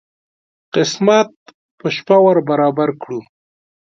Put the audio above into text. قسمت په شپه ور برابر کړو.